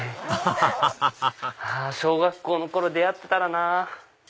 ハハハハハ小学校の頃出会ってたらなぁ。